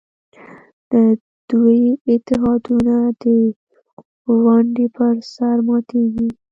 د دوی اتحادونه د ونډې پر سر ماتېږي.